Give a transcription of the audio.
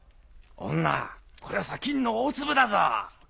女これは砂金の大粒だぞ！